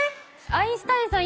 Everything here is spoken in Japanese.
アインシュタインさん